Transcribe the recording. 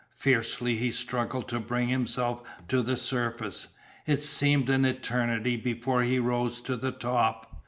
Fiercely he struggled to bring himself to the surface. It seemed an eternity before he rose to the top.